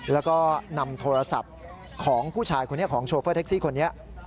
แล้วก็นำโทรศัพท์ของผู้ชายคนนี้ของโชเฟอร์แท็กซี่คนนี้